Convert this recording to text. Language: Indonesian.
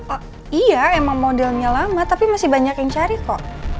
oh iya emang modelnya lama tapi masih banyak yang cari kok